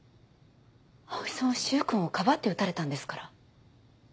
葵さんは柊君をかばって撃たれたんですから。